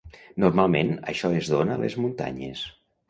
Normalment això es dóna a les muntanyes.